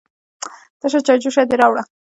_تشه چايجوشه دې راوړه؟